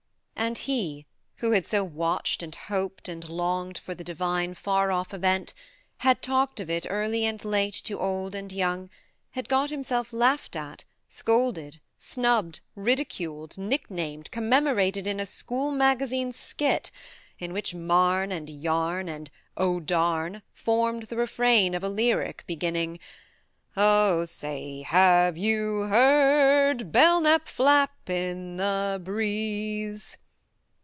And he, who had so watched and hoped and longed for the divine far off event, had talked of it early and late to old and young, had got himself laughed at, scolded, snubbed, ridiculed, nicknamed, commemorated in a school magazine skit in which " Marne " and "yarn" and "oh, darn," formed the refrain of a lyric beginning " Oh say, have you heard Belknap flap in the breeze?"